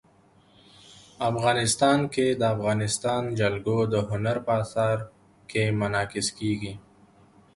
افغانستان کې د افغانستان جلکو د هنر په اثار کې منعکس کېږي.